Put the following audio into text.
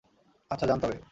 আচ্ছা, যান তবে।